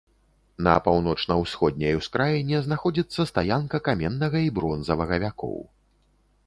На паўночна-ўсходняй ускраіне знаходзіцца стаянка каменнага і бронзавага вякоў.